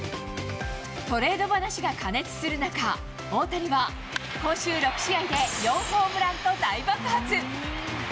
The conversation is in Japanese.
トレード話が過熱する中、大谷は、今週６試合で４ホームランと大爆発。